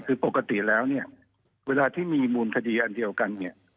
คือปกติแล้วเนี่ยเวลาที่มีมูลคดีอันเดียวกันเนี่ย